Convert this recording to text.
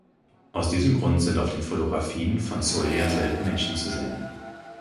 Aus diesem Grund sind auf den Fotografien von Soulier selten Menschen zu sehen.